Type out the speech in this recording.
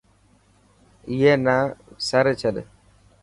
ائي نا وساري ڇڏ.